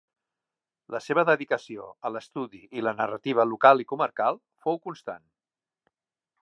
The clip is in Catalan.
La seva dedicació a l'estudi i la narrativa local i comarcal fou constant.